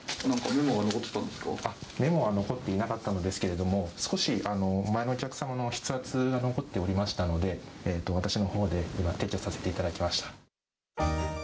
メモは残っていなかったのですけれども、少し、前のお客様の筆圧が残っておりましたので、私のほうでこれは撤去させていただきました。